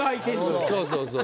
そうそうそうそう。